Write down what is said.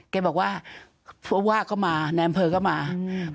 แกบอกว่าเพราะว่าก็มาแนมเภอก็มาอืม